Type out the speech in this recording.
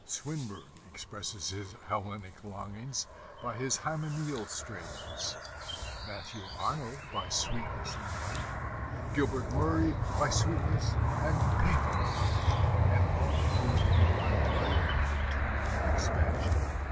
Swinburne expresses his Hellenic longings by his hymeneal strains, Matthew Arnold by sweetness and light, Gilbert Murray by sweetness and pathos and all through the divine right of Victorian expansion.